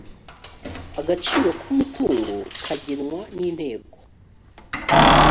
agaciro k umutungo kagenwa ninteko